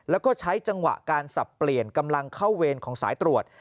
แล้วก็ใช้จังหวะการสับเปลี่ยนกำลังเข้าเวรของสายตรวจ